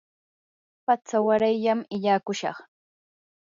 patsa warayllam illakushaq.